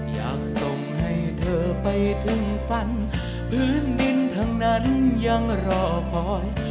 อยากส่งให้เธอไปถึงฝันพื้นดินทั้งนั้นยังรอคอย